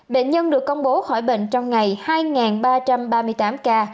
bệnh nhân được công bố khỏi bệnh trong ngày hai ba trăm ba mươi tám ca